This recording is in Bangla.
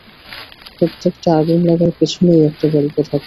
প্রত্যেকটা আগুন লাগার পেছনেই একটা গল্প থাকে।